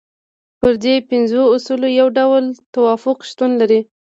پر دې پنځو اصولو یو ډول توافق شتون لري.